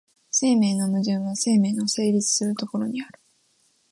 生命の矛盾は生命の成立する所にある。